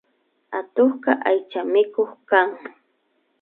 Atukka aychamikuk kan